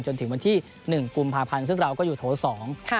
จนถึงวันที่๑กุมภาพันธ์ซึ่งเราก็อยู่โถสอง